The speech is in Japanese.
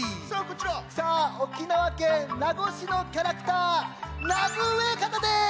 さあ沖縄県名護市のキャラクター名護親方です！